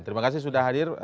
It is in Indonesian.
terima kasih sudah hadir